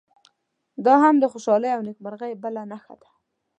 دا هم د خوشالۍ او نیکمرغۍ بله نښه ده.